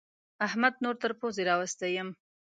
احمد نور تر پوزې راوستی يم.